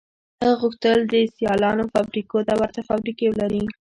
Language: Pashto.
هغه غوښتل د سیالانو فابریکو ته ورته فابریکې ولري